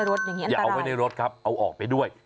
ระว่ายังงั้นเนี่ยอันตราย